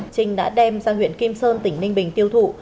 trinh đã đem sang huyện kim sơn tỉnh ninh bình tiêu thụ